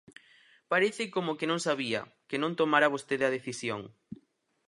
Parece como que non sabía, que non tomara vostede a decisión.